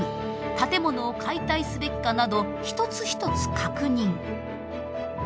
建物を解体すべきかなど一つ一つ確認。